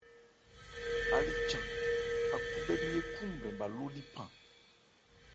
Álí chan, ákhúbhɛ́ ńmye kúkwúnbrɛn bhâ ló líphan.